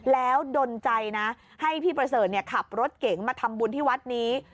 แล้วดนใจนะให้พี่ประเสริฐขับรถเก๋งมาทำบุญที่วัดนี้